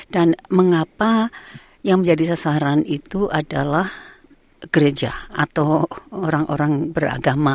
dan mengapa yang menjadi sasaran itu adalah gereja atau orang orang beragama